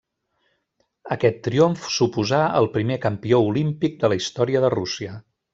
Aquest triomf suposà el primer campió olímpic de la història de Rússia.